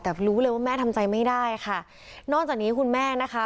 แต่รู้เลยว่าแม่ทำใจไม่ได้ค่ะนอกจากนี้คุณแม่นะคะ